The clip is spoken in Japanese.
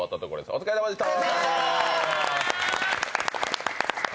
お疲れさまでした。